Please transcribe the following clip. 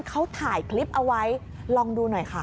เขาถ่ายคลิปเอาไว้ลองดูหน่อยค่ะ